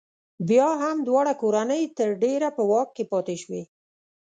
بیا هم دواړه کورنۍ تر ډېره په واک کې پاتې شوې.